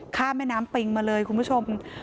แม่น้ำปิงมาเลยคุณผู้ชม